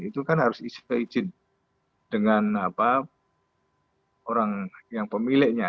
itu kan harus isi izin dengan orang yang pemiliknya